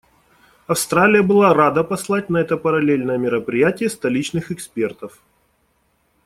Австралия была рада послать на это параллельное мероприятие столичных экспертов.